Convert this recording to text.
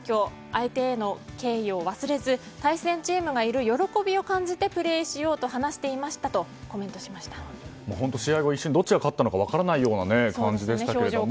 相手への敬意を忘れず対戦チームがいる喜びを感じてプレーしようと話していましたと本当、試合後一瞬どっちが勝ったのか分からないような感じでしたが。